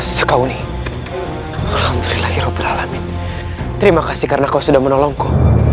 sekauni alhamdulillah terima kasih karena kau sudah menolongku